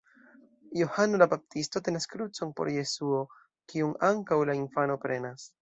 Johano la Baptisto tenas krucon por Jesuo, kiun ankaŭ la infano prenas.